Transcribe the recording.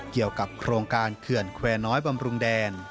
เกี่ยวกับโครงการเขื่อนแควร์น้อยบำรุงแดน